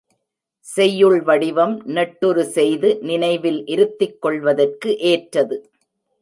செய்யுள் வடிவம், நெட்டுரு செய்து நினைவில் இருத்திக் கொள்வதற்கு ஏற்றது.